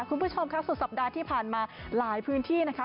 คุณผู้ชมค่ะสุดสัปดาห์ที่ผ่านมาหลายพื้นที่นะคะ